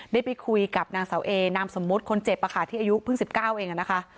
ได้ไปคุยกับนางเสาเอนามสมมุติคนเจ็บที่อายุเพิ่ง๑๙เองนะคะ